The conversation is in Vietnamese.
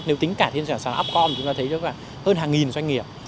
nếu tính cả thiên sản sản upcom chúng ta thấy hơn hàng nghìn doanh nghiệp